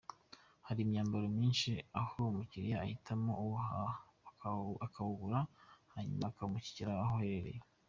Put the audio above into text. rw hari imyambaro myinshi aho umukiliya ahitamo uwo ahaka akawugura hanyuma bakawumushyira aho aherereye.